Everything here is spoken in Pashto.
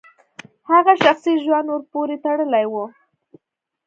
هغه شخصي ژوند ورپورې تړلی و.